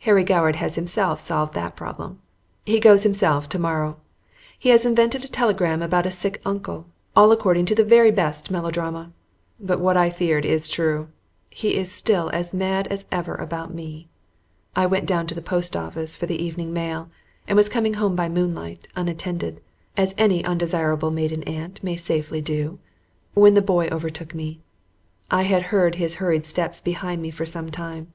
Harry Goward has himself solved that problem. He goes himself to morrow. He has invented a telegram about a sick uncle, all according to the very best melodrama. But what I feared is true he is still as mad as ever about me. I went down to the post office for the evening mail, and was coming home by moonlight, unattended, as any undesirable maiden aunt may safely do, when the boy overtook me. I had heard his hurried steps behind me for some time.